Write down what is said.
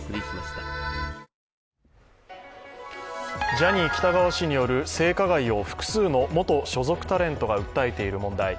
ジャニー喜多川氏による性加害を元所属タレント複数人が訴えている問題。